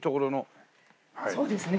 そうですね。